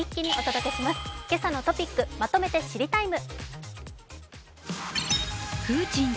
「けさのトピックまとめて知りＴＩＭＥ，」。